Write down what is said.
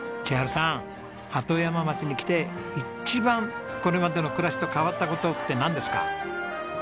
鳩山町に来て一番これまでの暮らしと変わった事ってなんですか？